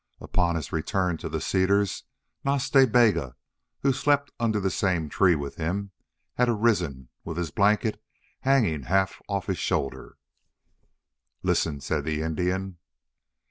Upon his return to the cedars Nas Ta Bega, who slept under the same tree with him, had arisen, with his blanket hanging half off his shoulder. "Listen," said the Indian.